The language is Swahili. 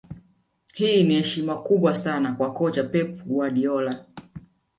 Hii ni heshima kubwa sana kwa kocha Pep Guardiola